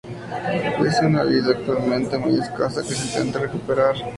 Es una vid actualmente muy escasa, que se intenta recuperar.